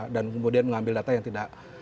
kemudian mengambil data yang tidak